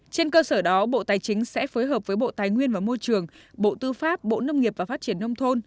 trên cơ sở đó bộ tài chính sẽ phối hợp với bộ tài nguyên và môi trường bộ tư pháp bộ nông nghiệp và phát triển nông thôn